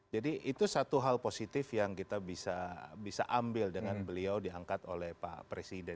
jadi itu satu hal positif yang kita bisa ambil dengan beliau diangkat oleh pak presiden